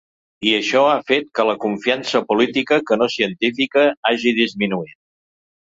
I això ha fet que la confiança política, que no científica, hagi disminuït.